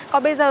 còn bây giờ